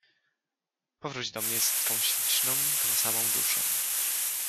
Powróć do mnie z twą śliczną, tą samą duszą!